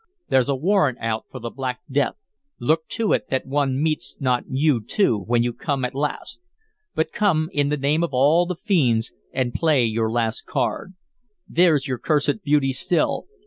There's a warrant out for the Black Death; look to it that one meets not you too, when you come at last. But come, in the name of all the fiends, and play your last card. There's your cursed beauty still.